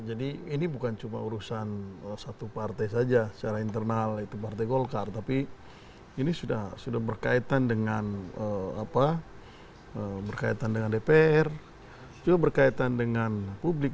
jadi ini bukan cuma urusan satu partai saja secara internal itu partai golkar tapi ini sudah berkaitan dengan dpr juga berkaitan dengan publik